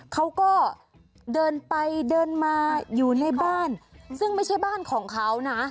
เขาก็เดินไปเดินมาอยู่ในบ้านซึ่งไม่ใช่บ้านของเขานะ